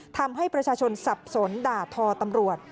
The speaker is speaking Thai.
ทำให้ประชาชนสับสนด่าทอตำรวจ